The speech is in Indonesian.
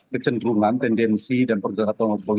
kecenderungan tendensi dan pergerakan dengan politik yang terjadi